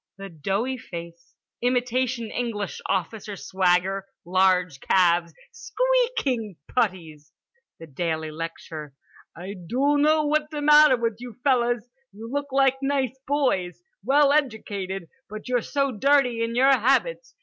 The doughy face. Imitation English officer swagger. Large calves, squeaking puttees. The daily lecture: "I doughno what's th'matter with you fellers. You look like nice boys. Well edjucated. But you're so dirty in your habits.